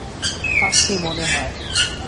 আছি, মনে হয়।